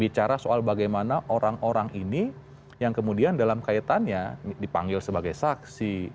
bicara soal bagaimana orang orang ini yang kemudian dalam kaitannya dipanggil sebagai saksi